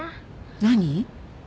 何？